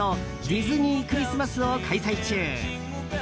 ディズニー・クリスマスを開催中。